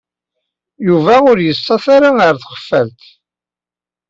Yuba ur issat ara ɣef tqeffalt.